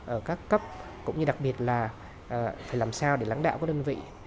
ở các cấp cũng như đặc biệt là phải làm sao để lãng đạo của đơn vị